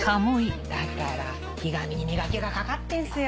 だからひがみに磨きがかかってんすよ！